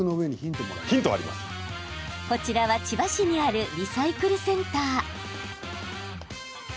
こちらは、千葉市にあるリサイクルセンター。